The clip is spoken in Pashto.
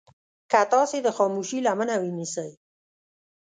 که تاسې د خاموشي لمنه ونيسئ.